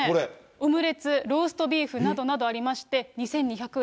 オムレツ、ローストビーフなどなどありまして、２２００円。